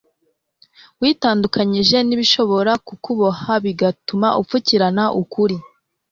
witandukanyije n ibishobora kukuboha bigatuma upfukirana ukuri